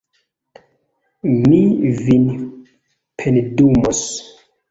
Mi vin pendumos